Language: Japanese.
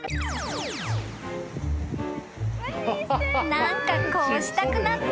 ［何かこうしたくなった］